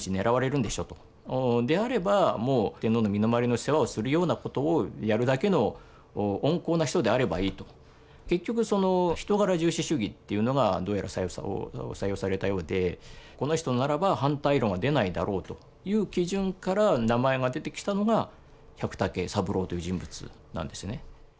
であればもう天皇の身の回りの世話をするようなことをやるだけの温厚な人であればいいと。結局その人柄重視主義というのがどうやら採用されたようでこの人ならば反対論は出ないだろうという基準から名前が出てきたのが百武三郎という人物なんですね。